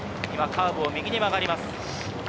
今カーブを右に曲がります。